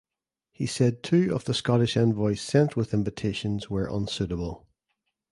He said two of the Scottish envoys sent with invitations were unsuitable.